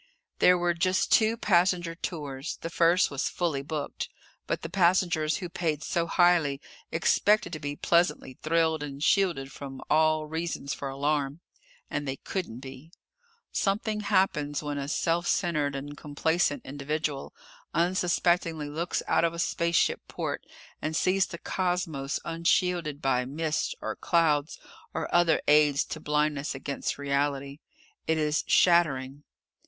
There were just two passenger tours. The first was fully booked. But the passengers who paid so highly, expected to be pleasantly thrilled and shielded from all reasons for alarm. And they couldn't be. Something happens when a self centered and complacent individual unsuspectingly looks out of a spaceship port and sees the cosmos unshielded by mists or clouds or other aids to blindness against reality. It is shattering.